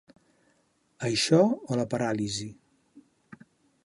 Això o la paràlisi.